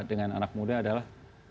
dengan anak muda adalah